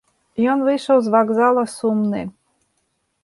Ён выйшаў з вакзала сумны.